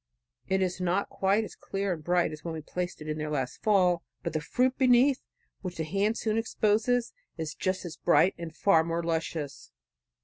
It is not quite as clear and bright as when we placed it there last fall, but the fruit beneath, which the hand soon exposes, is just as bright and far more luscious.